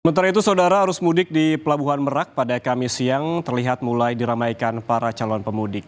sementara itu saudara arus mudik di pelabuhan merak pada kamis siang terlihat mulai diramaikan para calon pemudik